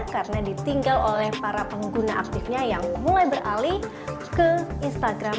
karena ditinggal oleh para pengguna aktifnya yang mulai beralih ke twitter dan instagram